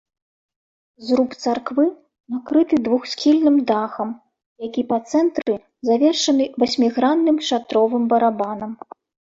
Зруб царквы накрыты двухсхільным дахам, які па цэнтры завершаны васьмігранным шатровым барабанам.